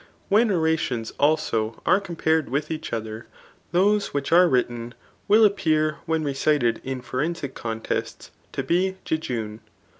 When oradons also are compared with each other, those which are written, will appear when recited in forensic contests to be jejune.